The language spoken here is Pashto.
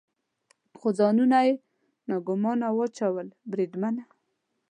خو ځانونه یې ناګومانه واچول، بریدمنه.